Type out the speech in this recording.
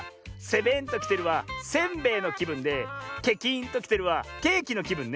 「ゼベンときてる」はせんべいのきぶんで「ケキンときてる」はケーキのきぶんね。